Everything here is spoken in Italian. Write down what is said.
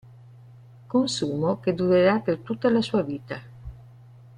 Consumo che durerà per tutta la sua vita.